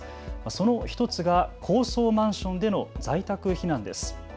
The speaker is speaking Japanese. その１つが高層マンションでの在宅避難です。